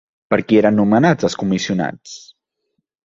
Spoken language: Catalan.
Per qui eren nomenats els comissionats?